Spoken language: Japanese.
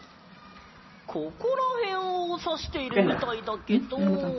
ここらへんをさしているみたいだけど。